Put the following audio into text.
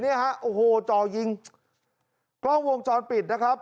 เนี่ยฮะโอ้โหจ่อยิงกล้องวงจรปิดนะครับ